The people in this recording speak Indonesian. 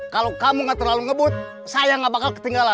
kalau kamu gak terlalu ngebut saya gak bakal ketinggalan